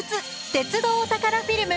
鉄道お宝フィルム」。